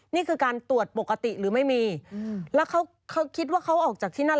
นี่คือการตรวจปกติหรือไม่มีแล้วเขาคิดว่าเขาออกจากที่นั่น